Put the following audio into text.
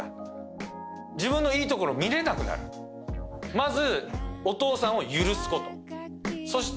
まず。